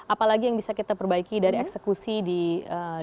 apalagi yang bisa kita perbaiki dari eksekusi di sepuluh kota ini